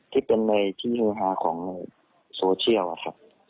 ที่เป็นในที่หาของโซเชียล